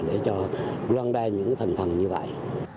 để cho loan đa những thành phần như vậy